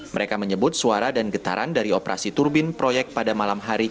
mereka menyebut suara dan getaran dari operasi turbin proyek pada malam hari